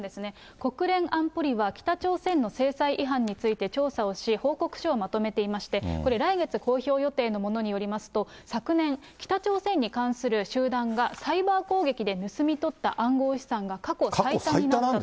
国連安保理は、北朝鮮の制裁違反について調査をし、報告書をまとめていまして、これ、来月公表予定のものによりますと、昨年、北朝鮮に関する集団がサイバー攻撃で盗み取った暗号資産が過去最過去最多なんですって。